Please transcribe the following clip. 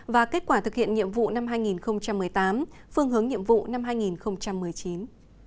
và kết quả thực hiện nhiệm vụ năm hai nghìn một mươi tám phương hướng nhiệm vụ năm hai nghìn một mươi chín